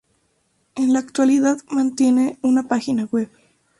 En la actualidad mantiene una pagina web.